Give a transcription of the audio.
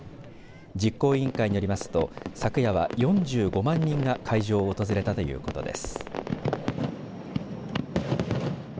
実行委員会によりますと昨夜は４５万人が会場を訪れたということです。